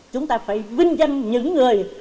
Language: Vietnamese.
chúng ta phải vinh danh những người